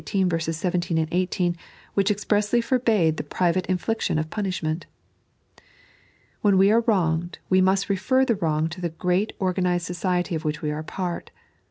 17, 18, wbidi expressly forbade the private infliction of punishment. When we are wronged, we must refer the wrong to the great orgamsed society of which we are part.